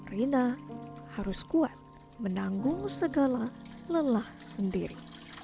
rina harus kuat menanggung segala lelah sendiri